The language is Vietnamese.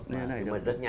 rất nhanh đấy